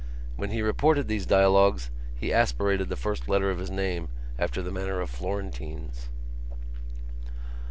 When he reported these dialogues he aspirated the first letter of his name after the manner of Florentines.